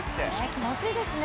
気持ちいいですね。